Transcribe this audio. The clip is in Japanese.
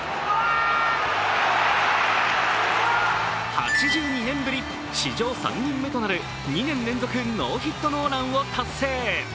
８２年ぶり、史上３人目となる２年連続のノーヒットノーランを達成。